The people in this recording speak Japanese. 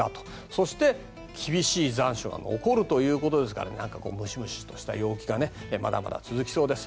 そして厳しい残暑が残るということですからムシムシした陽気がまだ続きそうです。